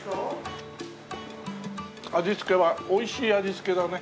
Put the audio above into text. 味付けは美味しい味付けだね。